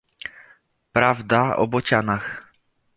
"prawda, o bocianach!"